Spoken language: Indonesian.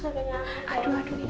aduh ya mas